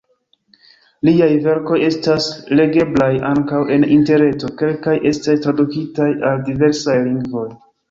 Liaj verkoj estas legeblaj ankaŭ en interreto, kelkaj estas tradukitaj al diversaj lingvoj.